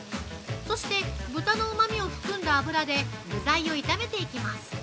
そして、豚のうまみを含んだ油で具材を炒めていきます。